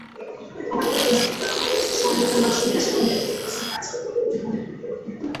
তাহাকে বসিতে দেওয়া হইয়াছে সম্মানের আসনেই সামনের দিকে, পিছনে আশ্রিত পরিজনদের মধ্যে নয়।